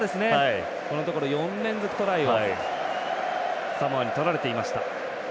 このところ４連続トライをサモアに取られていました。